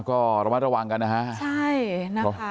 ก็ระวังกันนะฮะใช่นะฮะ